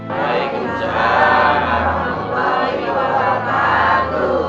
waalaikumsalam warahmatullahi wabarakatuh